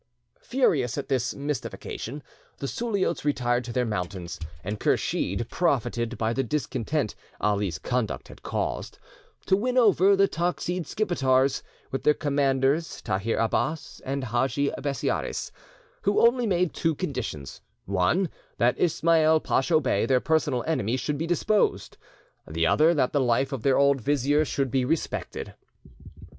Furious at this mystification, the Suliots retired to their mountains, and Kursheed profited by the discontent Ali's conduct had caused, to win over the Toxide Skipetars, with their commanders Tahir Abbas and Hagi Bessiaris, who only made two conditions: one, that Ismail Pacho Bey, their personal enemy, should be deposed; the other, that the life of their old vizier should be respected.